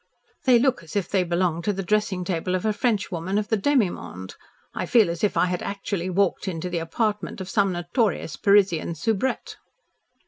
"They look as if they belonged to the dressing table of a French woman of the demi monde. I feel as if I had actually walked into the apartment of some notorious Parisian soubrette."